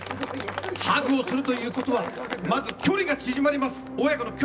ハグをするということはまず親子の距離が縮まります。